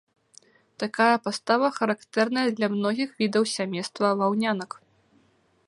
Такая пастава характэрная для многіх відаў сямейства ваўнянак.